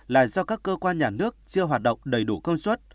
là do các cơ quan nhà nước siêu hoạt động đầy đủ công suất